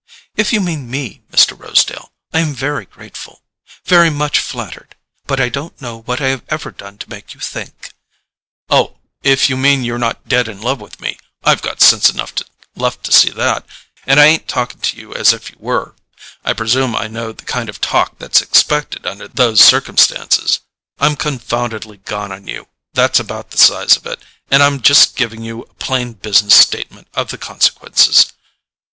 "If you mean me, Mr. Rosedale, I am very grateful—very much flattered; but I don't know what I have ever done to make you think—" "Oh, if you mean you're not dead in love with me, I've got sense enough left to see that. And I ain't talking to you as if you were—I presume I know the kind of talk that's expected under those circumstances. I'm confoundedly gone on you—that's about the size of it—and I'm just giving you a plain business statement of the consequences.